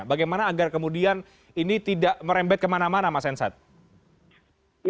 bagaimana agar kemudian ini tidak merembet kemana mana mas hensat